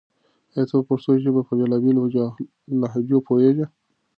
آیا ته د پښتو ژبې په بېلا بېلو لهجو پوهېږې؟